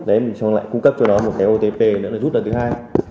đấy mình xong lại cung cấp cho nó một cái otp nữa nó rút lại thứ hai